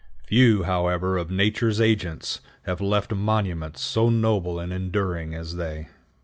Few, however, of Nature's agents have left monuments so noble and enduring as they.